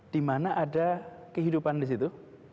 dimana ada kehidupan di situ